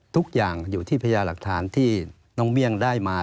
ทุกอย่างอยู่ที่พญาหลักฐานที่น้องเบี่ยงได้มา